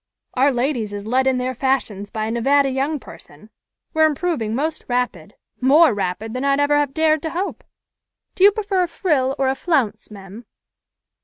"Our ladies is led in their fashions by a Nevada young person. We're improving most rapid more rapid than I'd ever have dared to hope. Do you prefer a frill, or a flounce, mem?"